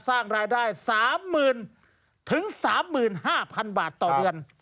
สร้างรายได้๓๐๐๐๓๕๐๐๐บาทต่อเดือน